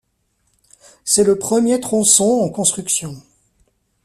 C'est le premier tronçon en construction.